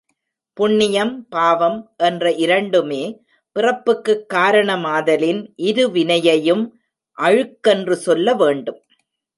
புண்ணியம், பாவம் என்ற இரண்டுமே பிறப்புக்குக் காரணமாதலின் இரு வினையையும் அழுக்கென்று சொல்ல வேண்டும்.